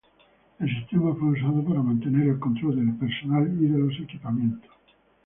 El sistema fue usado para mantener el control del personal y de los equipamientos.